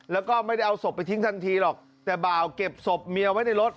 แล้วก็ไม่ได้เอาศพไปทิ้งทันทีหรอกแต่บ่าวเก็บศพเมียไว้ในรถ